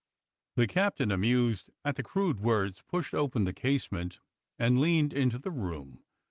The captain, amused at the crude words, pushed open the casement and leaned into the room.